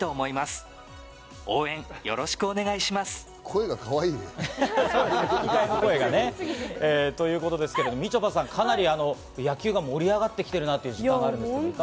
声がかわいいね。ということですけれども、みちょぱさん、野球が盛り上がってきているなという実感があるんですが？